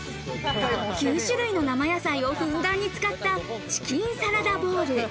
９種類の生野菜をふんだんに使ったチキンサラダボウル。